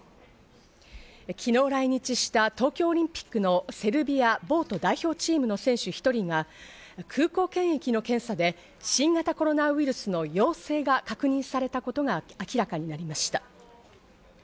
昨日、来日した東京オリンピックのセルビアのボート代表チームの選手１人が空港検疫の検査で新型コロナウイルスの陽性が確認されたことが明らかになりました。